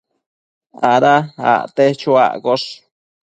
Ada acte chuaccosh